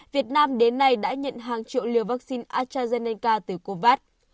việt nam đến nay đã nhận hàng triệu liều vaccine astrazeneca từ covax